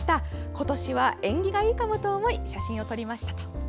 今年は縁起がいいかもと思い写真を撮りましたと。